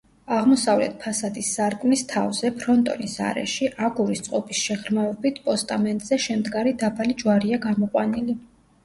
აღმოსავლეთ ფასადის სარკმლის თავზე, ფრონტონის არეში, აგურის წყობის შეღრმავებით პოსტამენტზე შემდგარი დაბალი ჯვარია გამოყვანილი.